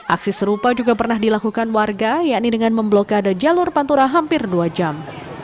aksi serupa juga pernah dilakukan warga yakni dengan memblokade jalur pantura hampir dua jam